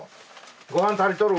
ご飯足りとる？